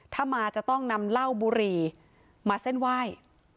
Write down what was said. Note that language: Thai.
ถ้ามาจะต้องนำเหล้าบุรีมาเส้นไหว้